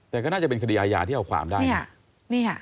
แต่ก็น่าจะเป็นคดีอาญาที่เอาความได้